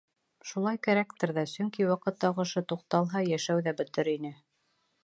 Шулай кәрәктер ҙә, сөнки ваҡыт ағышы туҡталһа, йәшәү ҙә бөтөр ине.